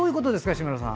志村さん。